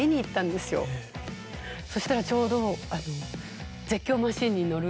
そしたらちょうどあの。